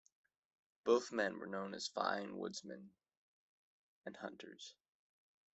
Both men were known as fine woodsmen and hunters.